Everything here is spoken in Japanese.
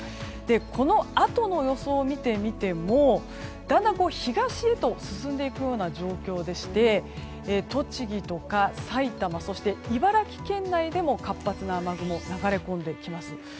このあとの予想を見てみてもだんだん東へと進んでいくような状況でして、栃木とか埼玉そして茨城県内でも活発な雨雲が流れ込んできます。